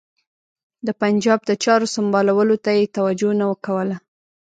د پنجاب د چارو سمبالولو ته یې توجه نه کوله.